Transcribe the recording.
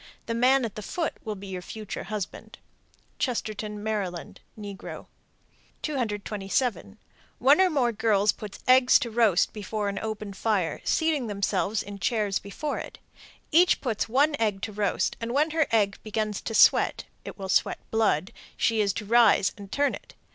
The man at the foot will be your future husband. Chestertown, Md. (negro). 227. One or more girls put eggs to roast before an open fire, seating themselves in chairs before it. Each puts one egg to roast, and when her egg begins to sweat (it will sweat blood), she is to rise and turn it.